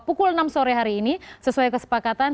pukul enam sore hari ini sesuai kesepakatan